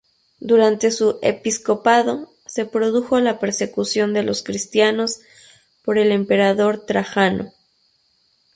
Durante su episcopado, se produjo la persecución de los cristianos por el emperador Trajano.